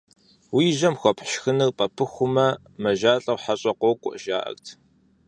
Уи жьэм хуэпхь шхыныр пӀэпыхумэ, мажалӀэу хьэщӀэ къокӀуэ жаӀэрт.